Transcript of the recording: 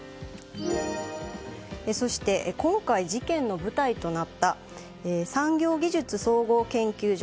そして今回、事件の舞台となった産業技術総合研究所。